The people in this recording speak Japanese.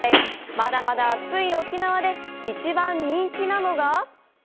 まだまだ暑い沖縄で一番人気なのが？